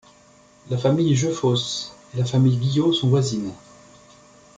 La famille Jeufosse et la famille Guillot sont voisines.